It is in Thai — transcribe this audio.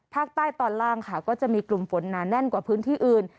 ภาคใต้ตอนล่างค่ะก็จะมีกลุ่มฝนหนาแน่นกว่าพื้นที่อื่น